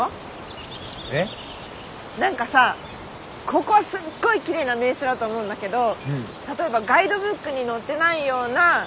ここはすっごいきれいな名所だと思うんだけど例えばガイドブックに載ってないような